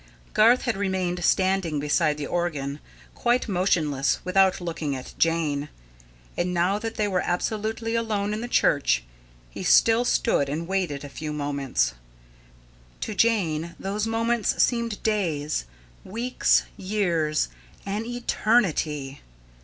Garth had remained standing beside the organ, quite motionless, without looking at Jane, and now that they were absolutely alone in the church, he still stood and waited a few moments. To Jane those moments seemed days, weeks, years, an eternity.